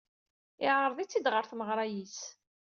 Yeɛreḍ-itt-id ɣer tmeɣra-is.